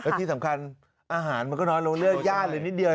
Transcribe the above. และที่สำคัญอาหารมันก็น้อยลงเลือดย่านเลยนิดเดียว